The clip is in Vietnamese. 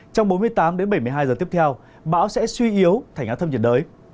trong bốn mươi tám đến bảy mươi hai giờ tiếp theo bão sẽ suy yếu thành áp thấp nhiệt đới